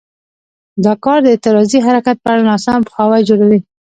دا کار د اعتراضي حرکت په اړه ناسم پوهاوی جوړوي.